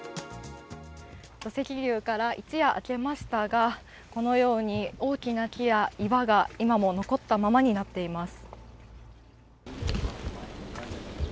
土石流から一夜が明けましたがこのように大きな木や岩が今も残ったままになっています。